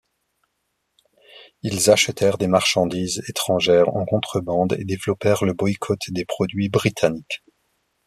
Ils achetèrent des marchandises étrangères en contrebande et développèrent le boycott des produits britanniques.